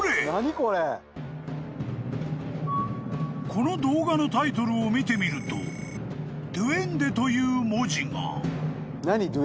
［この動画のタイトルを見てみると「Ｄｕｅｎｄｅ」という文字が］